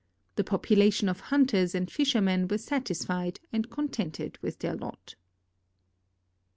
The population of hunters and fishermen were satisfied and contented with their lot.